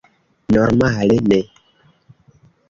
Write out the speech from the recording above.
Normale, ne.